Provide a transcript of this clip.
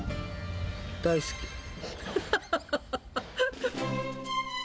大好き。